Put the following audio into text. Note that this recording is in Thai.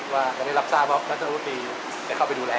ว่าในรับทราบบ๊อบก็จะรู้สึกดีจะเข้าไปดูแล